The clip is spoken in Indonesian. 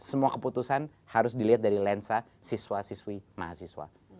semua keputusan harus dilihat dari lensa siswa siswi mahasiswa